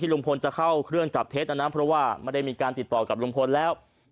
ลุงพลจะเข้าเครื่องจับเท็จนะนะเพราะว่าไม่ได้มีการติดต่อกับลุงพลแล้ว